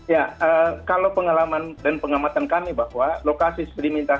ya kalau pengalaman dan pengamatan kami bahwa lokasi sedimentasinya